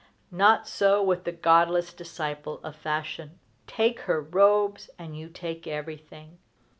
Not so with the godless disciple of fashion. Take her robes, and you take everything.